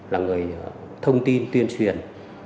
là người thông tin tuyên truyền